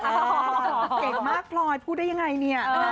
เก่งมากพลอยพูดได้ยังไงเนี่ย